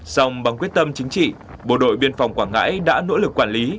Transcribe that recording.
xong bằng quyết tâm chính trị bộ đội biên phòng quảng ngãi đã nỗ lực quản lý